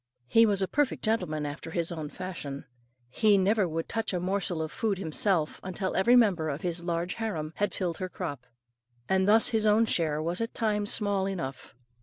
He was a perfect gentleman after his own fashion. He never would touch a morsel of food himself, until every member of his large harem had filled her crop; and thus his own share was at times small enough.